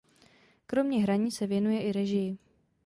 Kromě hraní se věnuje i režii.